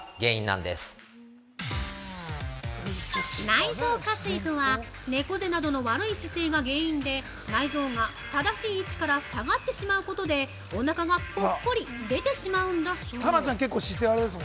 ◆内臓下垂とは猫背などの悪い姿勢が原因で内臓が正しい位置から下がってしまうことでおなかがぽっこり出てしまうんだそう。